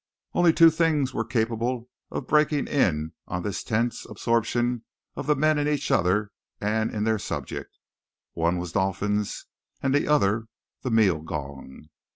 Only two things were capable of breaking in on this tense absorption of the men in each other and in their subject one was dolphins, and the other the meal gong.